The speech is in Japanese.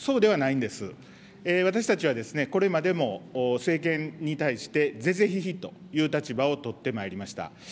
私たちはこれまでも、政権に対して是々非々という立場を取ってまいりました。